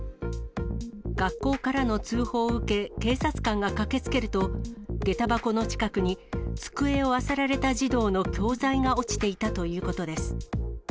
学校からの通報を受け、警察官が駆けつけると、下駄箱の近くに、机をあさられた児童の教材が落ちていたということです。